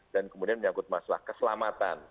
dan kemudian menyangkut masalah keselamatan